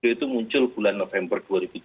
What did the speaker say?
itu muncul bulan november dua ribu tiga